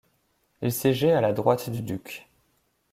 Il siégeait à la droite du duc.